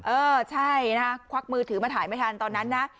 เออใช่นะคะควักมือถือมาถ่ายไม่ทันตอนนั้นนะ